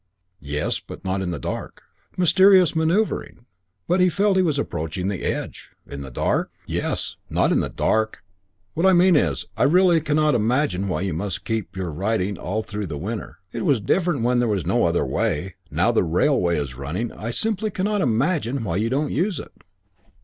"Yes, but not in the dark." Mysterious manoeuvring! But he felt he was approaching the edge. "In the dark?" "Yes, not in the dark. What I mean is, I really cannot imagine why you must keep up your riding all through the winter. It was different when there was no other way. Now the railway is running I simply cannot imagine why you don't use it."